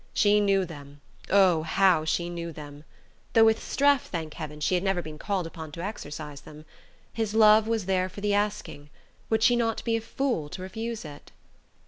She knew them, oh, how she knew them though with Streff, thank heaven, she had never been called upon to exercise them! His love was there for the asking: would she not be a fool to refuse it?